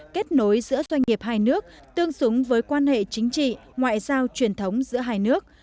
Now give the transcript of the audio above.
kết nối giữa doanh nghiệp hai nước tương xứng với quan hệ chính trị ngoại giao truyền thống giữa hai nước